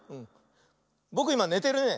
ぼくいまねてるね。